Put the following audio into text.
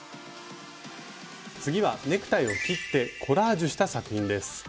次はネクタイを切ってコラージュした作品です。